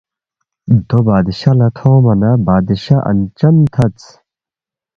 دو بادشاہ لہ تھونگما نہ بادشاہ انچن تھدس